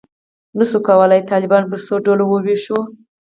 نه شو کولای طالبان پر څو ډلو وویشو.